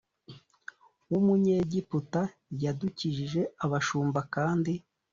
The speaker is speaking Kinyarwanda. w umunyegiputa yadukijije abashumba kandi